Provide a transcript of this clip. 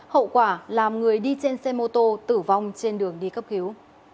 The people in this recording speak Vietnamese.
hậu quả làm người đi trên xe mô tô tử vong trên đường đi cấp cứu